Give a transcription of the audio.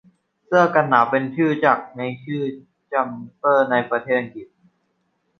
เสื้อกันหนาวเป็นที่รู้จักกันในชื่อ จั๊มเปอร์ ในประเทษอังกฤษ